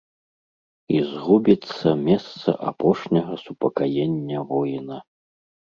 І згубіцца месца апошняга супакаення воіна.